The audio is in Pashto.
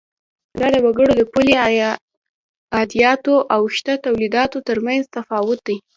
دا د وګړو د پولي عایداتو او شته تولیداتو تر مینځ تفاوت دی.